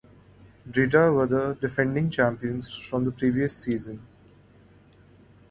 Drita were the defending champions from the previous season.